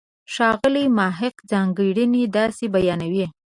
ښاغلی محق ځانګړنې داسې بیانوي.